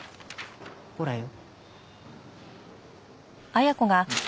ほらよ。